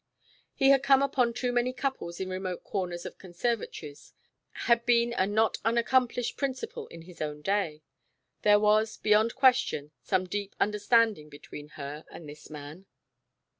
He had come upon too many couples in remote corners of conservatories, had been a not unaccomplished principal in his own day ... there was, beyond question, some deep understanding between her and this man.